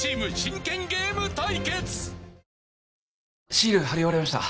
シールはり終わりました。